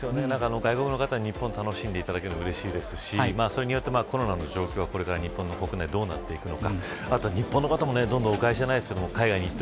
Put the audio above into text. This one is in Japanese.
外国の方に日本を楽しんでいただけるはうれしいですしそれによってコロナの状況が日本の国内どうなっていくのか。